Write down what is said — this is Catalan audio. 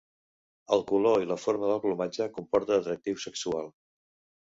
El color i la forma del plomatge comporta atractiu sexual.